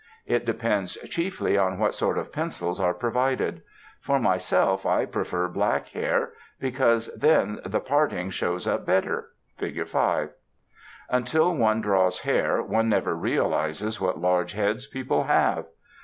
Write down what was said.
It depends chiefly on what sort of pencils are provided. For myself I prefer black hair, because then the parting shows up better (Fig. 5). [Illustration: FIG. 5] Until one draws hair one never realizes what large heads people have.